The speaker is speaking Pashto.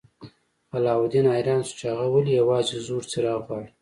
علاوالدین حیران شو چې هغه ولې یوازې زوړ څراغ غواړي.